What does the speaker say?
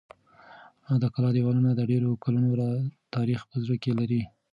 د کلا دېوالونه د ډېرو کلونو تاریخ په زړه کې لري.